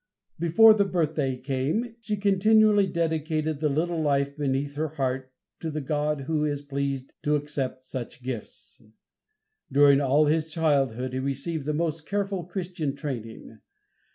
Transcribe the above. Before the birthday came she continually dedicated the little life beneath her heart to the God who is pleased to accept such gifts. During all his childhood he received the most careful Christian training.